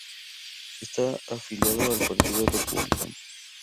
Está afiliado al Partido Republicano.